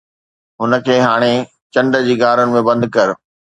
هن کي هاڻي چنڊ جي غارن ۾ بند ڪر